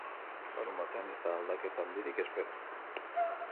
Larunbatean ez da aldaketa handirik espero.